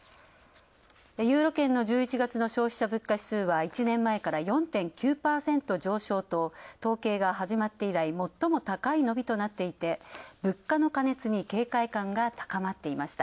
ユーロ圏の１１月の消費者物価指数は１年前から４．９％上昇と、統計が始まって以来、最も高い伸びとなっていて物価の過熱に警戒感が高まっていました。